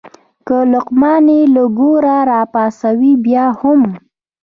که لقمان یې له ګوره راپاڅوې بیا هم.